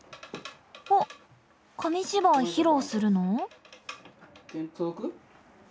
あっ紙芝居披露するの？